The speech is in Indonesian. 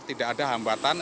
tidak ada hambatan